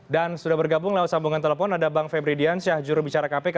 dan sudah bergabung lewat sambungan telepon ada bang febri diansyah juru bicara kpk